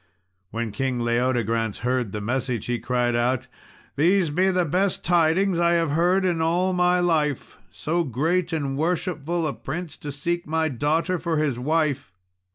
When King Leodegrance heard the message, he cried out "These be the best tidings I have heard in all my life so great and worshipful a prince to seek my daughter for his wife!